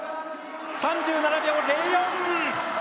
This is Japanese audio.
３７秒０４。